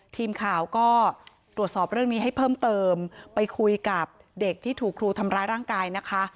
ทีมข่าวก็ตรวจสอบเรื่องนี้ให้เพิ่มเติมไปคุยกับเด็กที่ถูกครูทำร้ายร่างกายนะคะ